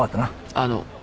あの。